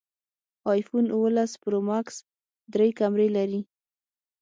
ایفون اوولس پرو ماکس درې کمرې لري